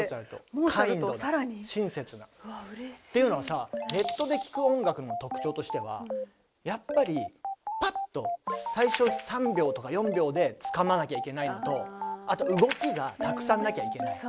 っていうのはさネットで聴く音楽の特徴としてはやっぱりパッと最初３秒とか４秒でつかまなきゃいけないのとあと動きがたくさんなきゃいけない。